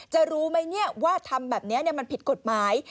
รู้ไหมว่าทำแบบนี้มันผิดกฎหมาย